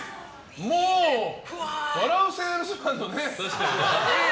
もう「笑ゥせぇるすまん」の。